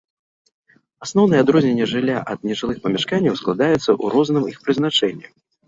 Асноўнае адрозненне жылля ад нежылых памяшканняў складаецца ў розным іх прызначэнні.